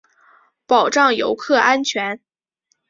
保障游客安全